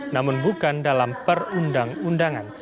namun bukan dalam perundang